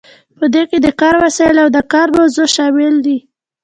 په دې کې د کار وسایل او د کار موضوع شامل دي.